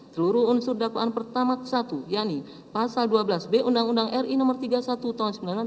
seluruh unsur dakwaan pertama ke satu yaitu pasal dua belas b undang undang ri no tiga puluh satu tahun seribu sembilan ratus sembilan puluh sembilan